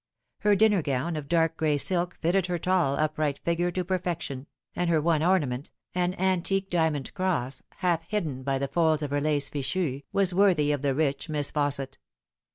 Her dinner gown of dark gray silk fitted her tall, upright figure to perfection, and her one ornament, an antique diamond cross, half hidden by the folds of her lace fichu, was worthy of the rich Miss Fausset.